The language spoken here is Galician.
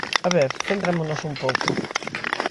A ver, centrémonos un pouco.